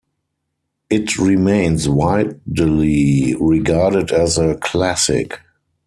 It remains widely regarded as a classic.